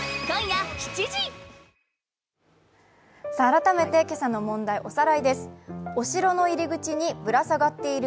改めて今朝の問題、おさらいです。